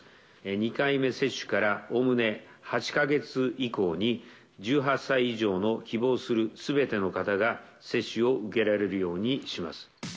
２回目接種からおおむね８か月以降に、１８歳以上の希望するすべての方が接種を受けられるようにします。